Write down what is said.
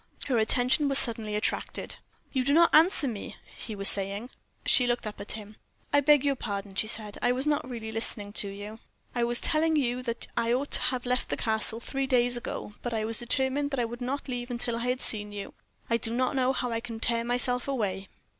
Her attention was suddenly attracted. "You do not answer me," he was saying. She looked up at him. "I beg your pardon," she said; "I was not really listening to you." "I was telling you that I ought to have left the Castle three days ago, but I was determined that I would not leave until I had seen you. I do not know how I can tear myself away."